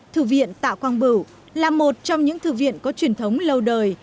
thư viện tạ quang bửu là một trong những thư viện có truyền thống lâu đời